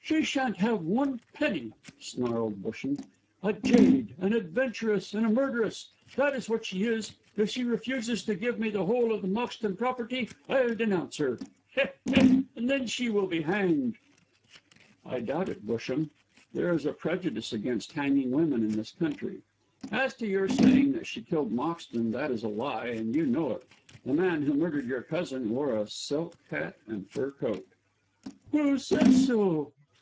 "She sha'n't have one penny," snarled Busham. "A jade, an adventuress and a murderess! that's what she is. If she refuses to give me the whole of the Moxton property, I'll denounce her. He! he! then she will be hanged." "I doubt it, Busham. There is a prejudice against hanging women in this country. As to your saying that she killed Moxton, that is a lie, and you know it. The man who murdered your cousin wore a silk hat and fur coat." "Who says so?"